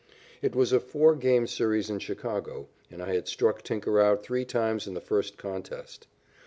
It was a four game series in Chicago, and I had struck Tinker out three times in the first contest.